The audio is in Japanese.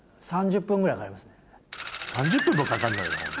３０分もかかんのよ。